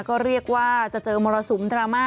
ก็เรียกว่าจะเจอมรสุมดราม่า